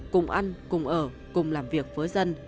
cùng ăn cùng ở cùng làm việc với dân